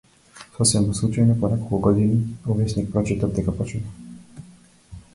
Сосема случајно, по неколку години, во весник прочитав дека починал.